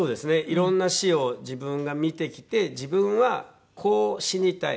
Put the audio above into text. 色んな死を自分が見てきて自分はこう死にたい。